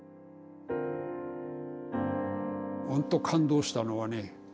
ほんと感動したのはね